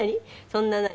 そんな何？